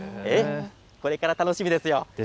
これから楽しみですよ。